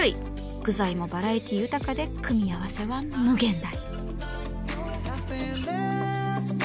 具材もバラエティー豊かで組み合わせは無限大。